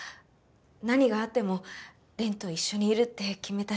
何があってもと一緒にいるって決めたし。